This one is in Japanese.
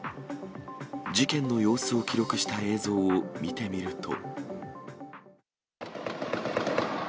事件の様子を記録した映像を見てみると。